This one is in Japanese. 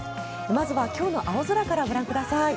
まずは今日の青空からご覧ください。